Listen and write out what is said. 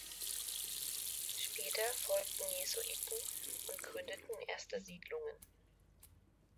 Später folgten Jesuiten und gründeten erste Siedlungen.